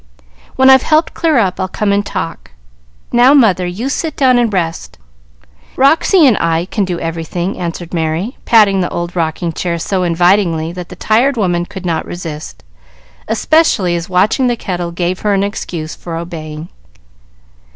"When I've helped clear up, I'll come and talk. Now, mother, you sit down and rest; Roxy and I can do everything," answered Merry, patting the old rocking chair so invitingly that the tired woman could not resist, especially as watching the kettle gave her an excuse for obeying.